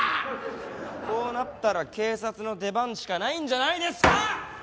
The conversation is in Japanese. こうなったら警察の出番しかないんじゃないんですか！